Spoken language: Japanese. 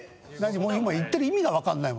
今言ってる意味が分かんない。